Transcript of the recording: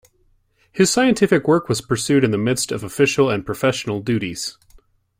His scientific work was pursued in the midst of official and professional duties.